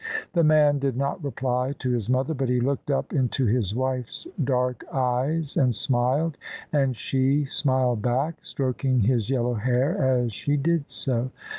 The man did not reply to his mother, but he looked up into his wife's dark eyes and smiled; and she smiled back, stroking his yellow hair as she did so.